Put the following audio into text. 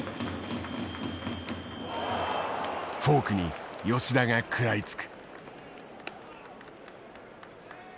フォークに吉田が食らいつく。